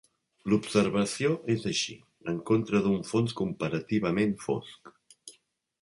L'observació es així, en contra d'un fons comparativament fosc.